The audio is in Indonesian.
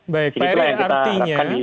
baik pak ini artinya